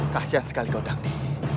kasihan sekali kau dandi